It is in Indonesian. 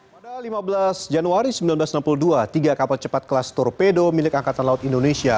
pada lima belas januari seribu sembilan ratus enam puluh dua tiga kapal cepat kelas torpedo milik angkatan laut indonesia